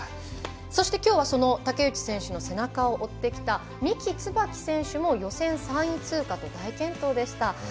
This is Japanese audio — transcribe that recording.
そして、きょうはその竹内選手の背中を追ってきた三木つばき選手も予選３位通過と大健闘でした。